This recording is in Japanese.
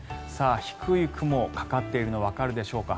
低い雲、かかっているのがわかるでしょうか。